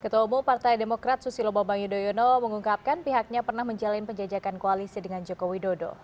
ketua umum partai demokrat susilo bambang yudhoyono mengungkapkan pihaknya pernah menjalin penjajakan koalisi dengan joko widodo